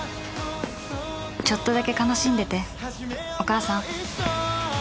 ちょっとだけ悲しんでてお母さん